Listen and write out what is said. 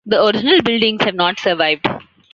The original buildings have not survived.